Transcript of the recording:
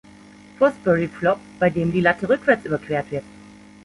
Fosbury-Flop, bei dem die Latte rückwärts überquert wird.